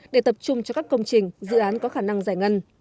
để tập trung cho các công trình dự án có khả năng giải ngân